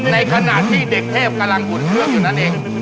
ในขณะที่เด็กเทพกำลังปูนเพลิงอยู่นั้นนั้นเอง